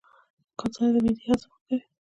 ګازرې د معدې هضم ښه کوي.